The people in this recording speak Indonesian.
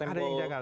ada yang janggal